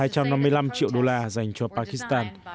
hai trăm năm mươi năm triệu đô la dành cho pakistan